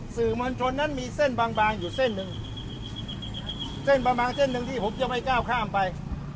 สื่อมวลชนนั้นมีเส้นบางบางอยู่เส้นหนึ่งเส้นบางบางเส้นหนึ่งที่ผมจะไม่ก้าวข้ามไป